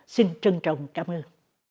xin trân trọng cảm ơn